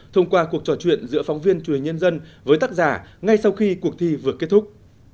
thông qua cuộc trò chuyện giữa phóng viên truyền hình nhân dân với tác giả ngay sau khi cuộc thi vừa kết thúc